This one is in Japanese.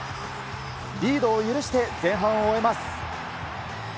リードを許して前半を終えます。